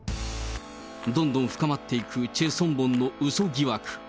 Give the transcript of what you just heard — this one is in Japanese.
どんどん深まっていくチェ・ソンボンのうそ疑惑。